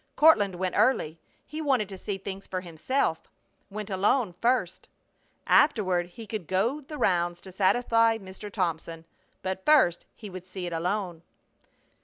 Courtland went early. He wanted to see things for himself; went alone first. Afterward he could go the rounds to satisfy Mr. Thomas, but first he would see it alone.